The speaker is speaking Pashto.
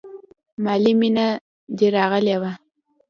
مالې مينه دې راغلې وه.